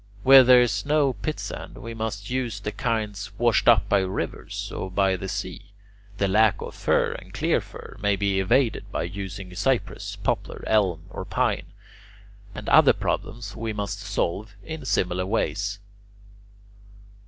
Where there is no pitsand, we must use the kinds washed up by rivers or by the sea; the lack of fir and clear fir may be evaded by using cypress, poplar, elm, or pine; and other problems we must solve in similar ways.